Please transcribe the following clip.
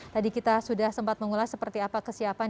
tadi kita sudah sempat mengulas seperti apa kesiapan